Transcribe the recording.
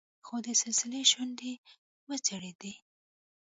خو د سلسلې شونډې وځړېدې.